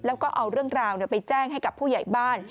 แล้วก็เอาเรื่องราวไปแจ้งให้กับผู้ใหญ่บ้าน